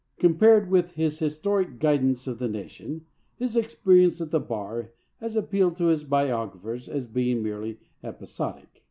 Compared with his historic guidance of the nation, his experience at the bar has appealed to his biographers as being merely episodic.